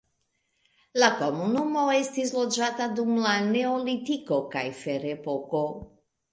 La komunumo estis loĝata dum la neolitiko kaj ferepoko.